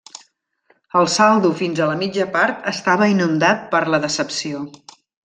El saldo fins a la mitja part estava inundat per la decepció.